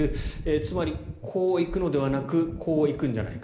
つまりこう行くのではなくこう行くんじゃないか。